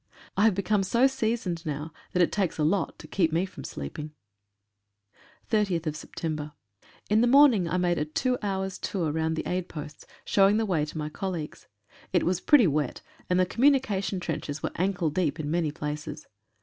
I have become so seasoned now that it takes a lot to keep me from sleeping. 30th Sept.— In the morning I made a two hours' tour round the aid posts, showing the way to my colleagues. It was pretty wet, and the communication trenches were ankle deep in many places.